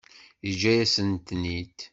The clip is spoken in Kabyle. Yeǧǧa-yasent-ten-id.